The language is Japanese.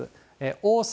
大阪、